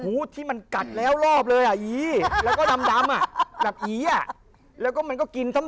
หูที่มันกัดแล้วรอบเลยอะแล้วก็ดำอะดับแล้วก็มันก็กินซ้ำ